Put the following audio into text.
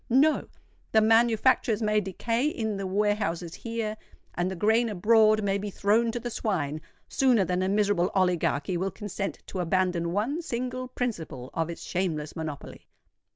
No—the manufactures may decay in the warehouses here, and the grain abroad may be thrown to the swine, sooner than a miserable oligarchy will consent to abandon one single principle of its shameless monopoly.